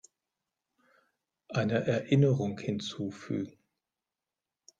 Eine Erinnerung hinzufügen.